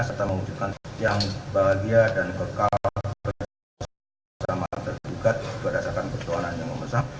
serta mengujukan yang bahagia dan kekal bersama tergugat berdasarkan perkeluarannya membesar